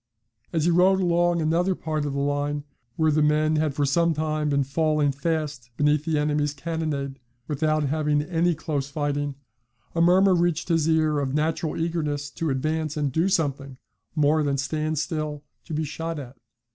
As he rode along another part of the line where the men had for some time been falling fast beneath the enemy's cannonade, without having any close fighting, a murmur reached his ear of natural eagerness to advance and do something more than stand still to be shot at.